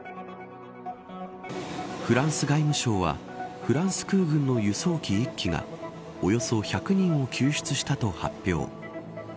フランス外務省はフランス空軍の輸送機１機がおよそ１００人を救出したと発表。